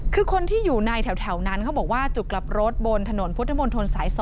คือคนที่อยู่ในแถวนั้นเขาบอกว่าจุดกลับรถบนถนนพุทธมนตรสาย๒